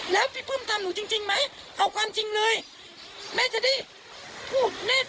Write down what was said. แล้วพี่ปุ้มทำหนูจริงจริงไหมเอาความจริงเลยแม่จะได้พูดแน่